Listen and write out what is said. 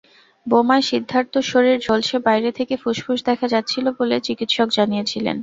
বোমায় সিদ্ধার্থর শরীর ঝলসে বাইরে থেকে ফুসফুস দেখা যাচ্ছিল বলে চিকিত্সক জানিয়েছিলেন।